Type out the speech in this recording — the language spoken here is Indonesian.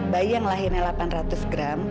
bayi yang lahirnya delapan ratus gram